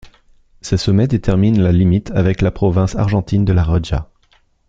Ces sommets déterminent la limite avec la province argentine de La Rioja.